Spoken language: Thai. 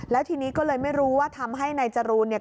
แล้วทีนี้ก็เลยไม่รู้ว่าทำให้นายจรูนเนี่ย